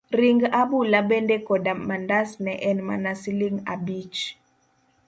Ring abula bende koda mandas ne en mana siling' abich.